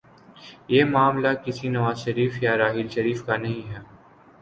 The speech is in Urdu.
یہ معاملہ کسی نواز شریف یا راحیل شریف کا نہیں ہے۔